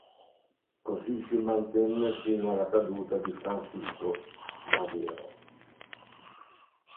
Così si mantenne fino alla caduta di Francisco Madero.